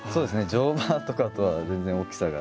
乗馬とかとは全然大きさが。